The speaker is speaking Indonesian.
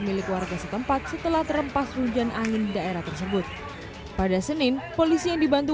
milik warga setempat setelah terempas hujan angin daerah tersebut pada senin polisi yang dibantu